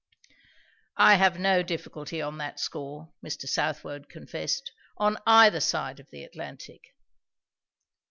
"I have no difficulty on that score," Mr. Southwode confessed; "on either side of the Atlantic."